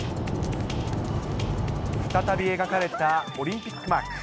再び描かれたオリンピックマーク。